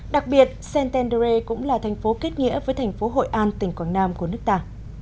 đặc biệt santander cũng là thành phố kết nghĩa với thành phố hội an tỉnh quảng nam của nước ta